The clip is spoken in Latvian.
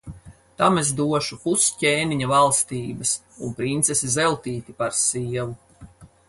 Tam es došu pus ķēniņa valstības un princesi Zeltīti par sievu.